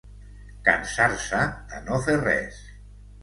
Cansar-se de no fer res.